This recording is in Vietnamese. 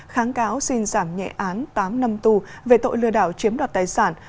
kháng cáo xin giảm nhẹ án tám năm tù về tội lừa đảo chiếm đoạt tài sản